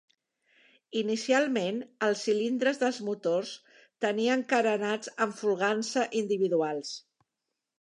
Inicialment, els cilindres dels motors tenien carenats amb folgança individuals.